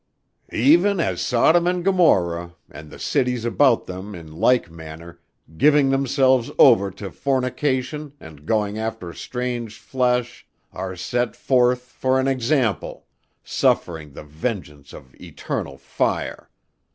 "'Even as Sodom and Gomorrah, and the cities about them in like manner, giving themselves over to fornication and going after strange flesh ... are set forth for an example, suffering the vengeance of eternal fire....